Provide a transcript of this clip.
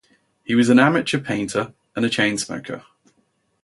He was an amateur painter and a chain smoker.